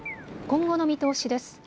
今後の見通しです。